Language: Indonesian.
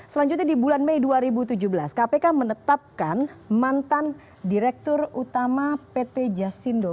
selanjutnya di bulan mei dua ribu tujuh belas kpk menetapkan mantan direktur utama pt jasindo